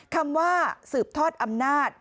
คำว่าสืบทอดอำนาจ